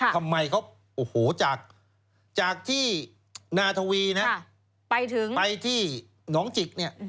ทำไมเขาโอ้โฮจากที่นาธวีไปที่หนองจิก